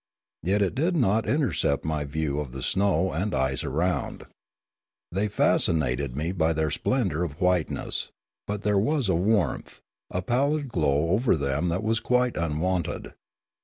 Yet it did not intercept my view of the snow and ice around. They fascinated me by their splendour of whiteness, but there was a warmth, a pallid glow over them that was quite unwonted.